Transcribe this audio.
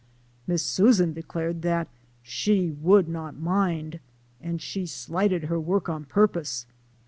" Miss Susan declared that " she would not mind, and she slighted her work on purpose."